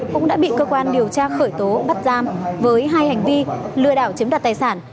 cũng đã bị cơ quan điều tra khởi tố bắt giam với hai hành vi lừa đảo chiếm đoạt tài sản